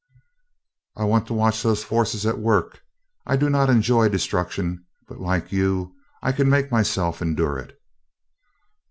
"I want to watch those forces at work. I do not enjoy destruction, but like you, I can make myself endure it."